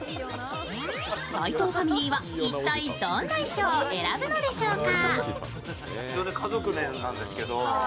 斎藤ファミリーは一体、どんな衣装を選ぶのでしょうか？